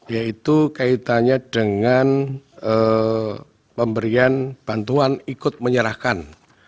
yaitu kaitannya dengan pemberian bantuan ikut menyerahkan